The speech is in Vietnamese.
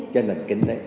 cho nền kinh tế